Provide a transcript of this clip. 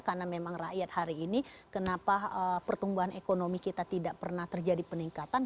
karena memang rakyat hari ini kenapa pertumbuhan ekonomi kita tidak pernah terjadi peningkatan